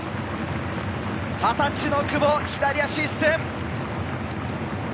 ２０歳の久保、左足一閃！